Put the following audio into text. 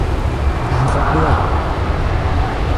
ล้างครกด้วย